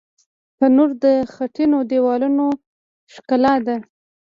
تنور د خټینو دیوالونو ښکلا ده